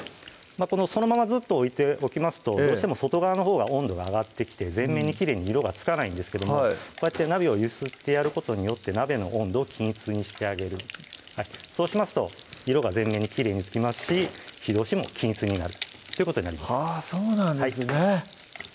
そのままずっと置いておきますとどうしても外側のほうが温度が上がってきて全面にきれいに色がつかないんですけどこうやって鍋をゆすってやることによって鍋の温度を均一にしてあげるそうしますと色が全面にきれいにつきますし火通しも均一になるということになりますそうなんですね